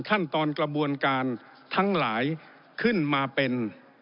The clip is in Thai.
ขั้นตอนกระบวนการทั้งหลายขึ้นมาเป็น